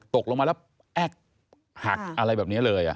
ตกลงมาแล้วแอ๊กหักอะไรแบบนี้เลย